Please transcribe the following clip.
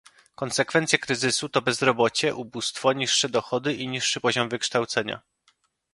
Konsekwencje kryzysu to bezrobocie, ubóstwo, niższe dochody i niższy poziom wykształcenia